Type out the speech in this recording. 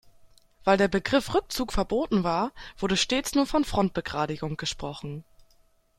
Weil der Begriff Rückzug verboten war, wurde stets nur von Frontbegradigung gesprochen.